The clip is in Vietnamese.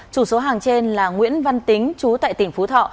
chủ số hàng trên là nguyễn văn tính chú tại tỉnh phú thọ